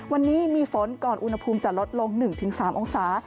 วันนี้มีฝนก่อนอุณหภูมิจะลดลง๑๓องศา